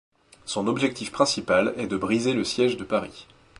Son objectif principal est de briser le siège de Paris.